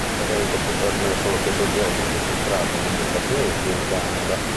L'evento fu trasmesso lo stesso giorno registrato negli Stati Uniti e in Canada.